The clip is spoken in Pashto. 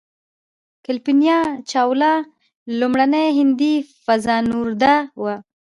کلپنا چاوله لومړنۍ هندۍ فضانورده وه.